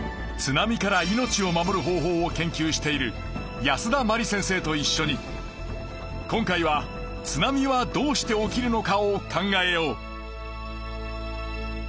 津波から命を守る方法を研究している保田真理先生といっしょに今回は津波はどうして起きるのかを考えよう！